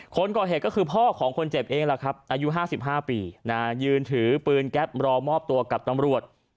คนก่อเหตุก็คือพ่อของคนเจ็บเองแหละครับอายุ๕๕ปียืนถือปืนแก๊ปรอมอบตัวกับตำรวจ